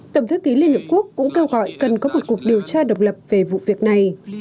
tổng thư ký liên hợp quốc cũng kêu gọi cần có một cuộc điều tra độc lập về vụ việc này